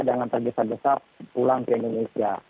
jangan tergesa gesa pulang ke indonesia